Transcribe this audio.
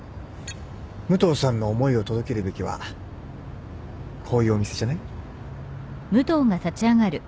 武藤さんの思いを届けるべきはこういうお店じゃない？